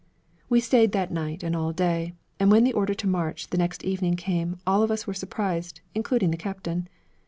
We stayed that night and all day, and when the order to march the next evening came, all of us were surprised, including the captain.